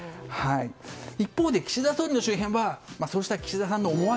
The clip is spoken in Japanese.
一方で、岸田総理の周辺はそうした岸田さんの思惑？